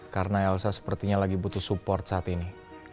karena elsa sepertinya lagi butuh support saat ini